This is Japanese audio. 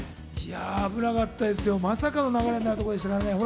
危なかったですよ、まさかの流れになるところでしたよ。